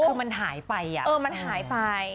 คือมันหายไปอ่ะเออมันหายไป